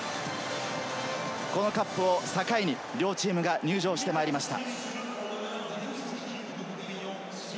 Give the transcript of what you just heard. このカップを境に両チームが入場してまいりました。